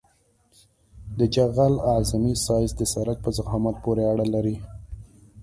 د جغل اعظمي سایز د سرک په ضخامت پورې اړه لري